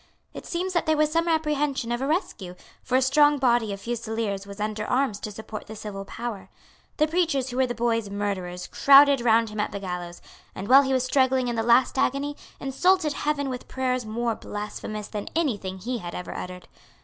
It seems that there was some apprehension of a rescue; for a strong body of fusileers was under arms to support the civil power. The preachers who were the boy's murderers crowded round him at the gallows, and, while he was struggling in the last agony, insulted Heaven with prayers more blasphemous than any thing that he had ever uttered.